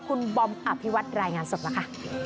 คุณบอมอภิวัตรายงานสดมาค่ะ